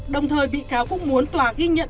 đồng thời bị cáo cũng muốn tòa ghi nhận